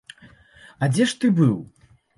А дзе ж ты быў?